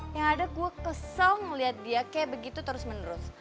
yang ada gue kesel ngelihat dia kayak begitu terus menerus